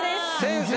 先生。